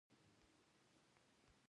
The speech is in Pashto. مصنوعي ځیرکتیا د فکري خپلواکۍ ملاتړ کوي.